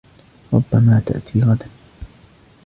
ربما تأتي غدًا.